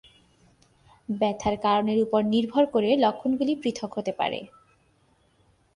ব্যথার কারণের উপর নির্ভর করে লক্ষণগুলি পৃথক হতে পারে।